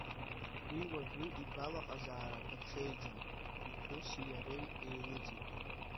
Уи уажәы игәалаҟазарақәа ҽеиӡам, иԥҳәыси иареи еилыҵит.